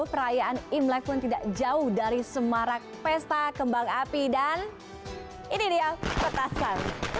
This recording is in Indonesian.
perayaan imlek pun tidak jauh dari semarak pesta kembang api dan ini dia petasan